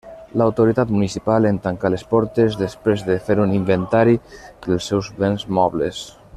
L'autoritat municipal en tancà les portes, després de fer un inventari dels seus béns mobles.